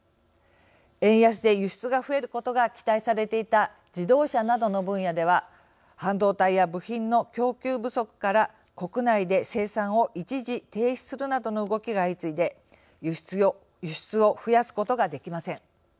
円安で輸出が増えることが期待されていた自動車などの分野では半導体や部品の供給不足から国内で生産を一時停止するなどの動きが相次いで輸出を増やすことができません。